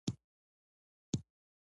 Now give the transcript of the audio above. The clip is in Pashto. آیا ته به ماته خپله نوې شمېره راکړې؟